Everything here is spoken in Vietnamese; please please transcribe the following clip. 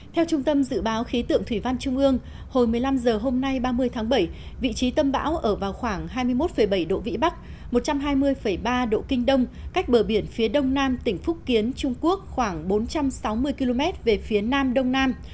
theo trung tâm dự báo khí tượng thủy văn trung ương hồi một mươi năm h hôm nay ba mươi tháng bảy vị trí tâm bão ở vào khoảng hai mươi một bảy độ vĩ bắc một trăm hai mươi ba độ kinh đông cách bờ biển phía đông nam tỉnh phúc kiến trung quốc khoảng bốn trăm sáu mươi km về phía nam đông nam